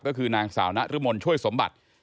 ก็คือนางสาวนรมนช่วยสมบัติ